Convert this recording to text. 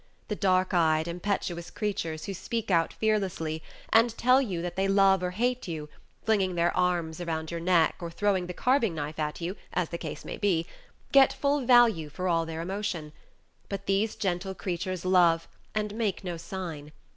The dark eyed, impetuous creatures, who speak out fearlessly, and tell you that they love or hate you, flinging their arms around your neck or throwing the carving knife at you, as the case may be, get full value for all their emotion; but these gentle creatures love, and make no sign.